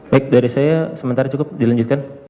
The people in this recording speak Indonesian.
baik dari saya sementara cukup dilanjutkan